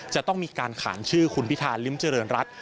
จะต้องมีการขานชื่อคุณพิธาริมเจริญรัฐ